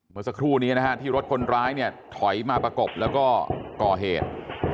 เมื่อสักครู่นี้นะฮะที่รถคนร้ายเนี่ยถอยมาประกบแล้วก็ก่อเหตุ